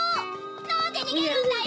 なんでにげるんだよ！